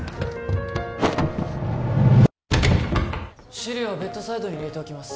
資料はベッドサイドに入れておきます